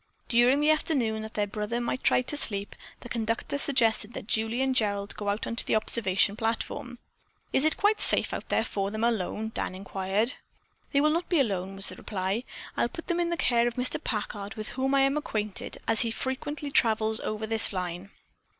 During the afternoon, that their brother might try to sleep, the conductor suggested that Julie and Gerald go out on the observation platform. "Is it quite safe for them out there alone?" Dan inquired. "They will not be alone," was the reply. "I'll put them in the care of Mr. Packard, with whom I am acquainted, as he frequently travels over this line."